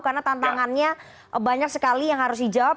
karena tantangannya banyak sekali yang harus dijawab